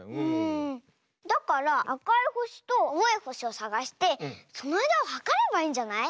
だからあかいほしとあおいほしをさがしてそのあいだをはかればいいんじゃない？